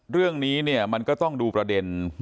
เรื่องนี้เนี่ยมันก็ต้องดูประเด็น